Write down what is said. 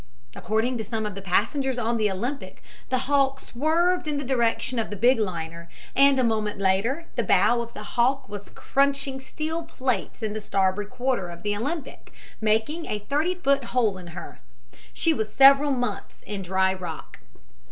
According to some of the passengers on the Olympic the Hawke swerved in the direction of the big liner and a moment later the bow of the Hawke was crunching steel plates in the starboard quarter of the Olympic, making a thirty foot hole in her. She was several months in dry dock.